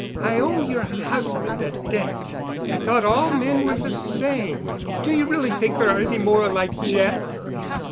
I owe your husband a debt. I thought all men were the same. Do you really think there are any more like Jeff?"